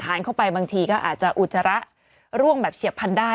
เข้าไปบางทีก็อาจจะอุจจาระร่วงแบบเฉียบพันได้